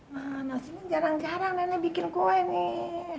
nah nasi ini jarang jarang nenek bikin kue nih